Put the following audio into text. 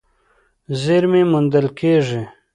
زېرمې موندل کېږي.